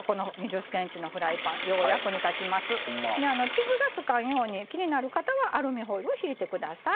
傷がつかんように気になる方はアルミホイルをひいて下さい。